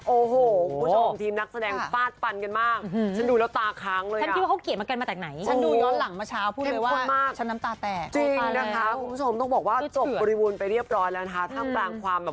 โอ้โหวครับคุณผู้ชมทีมนักแสดงปลาดปันกันมาก